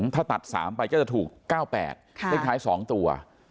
ถ้าตัด๓ไปก็จะถูก๙๘เลขท้าย๒ตัว